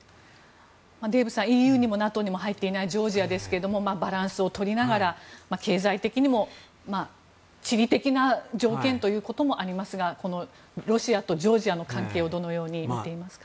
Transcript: デーブさんＥＵにもＮＡＴＯにも入っていないジョージアですがバランスを取りながら経済的にも地理的な条件ということもありますがこのロシアとジョージアの関係をどのようにみていますか。